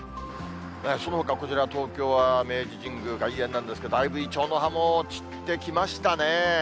そのほか、こちら、東京は明治神宮外苑なんですけれども、だいぶイチョウの葉も散ってきましたね。